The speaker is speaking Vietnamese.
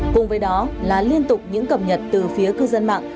cùng với đó là liên tục những cập nhật từ phía cư dân mạng